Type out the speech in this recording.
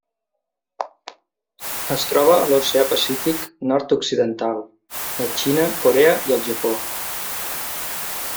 Es troba a l'Oceà Pacífic nord-occidental: la Xina, Corea i el Japó.